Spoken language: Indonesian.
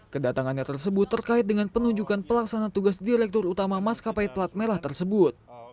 kedatangannya tersebut terkait dengan penunjukkan pelaksana tugas direktur utama maskapai platmelah tersebut